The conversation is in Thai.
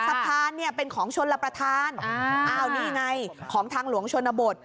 สะพานเนี่ยเป็นของชนรับประทานอ้าวนี่ไงของทางหลวงชนบท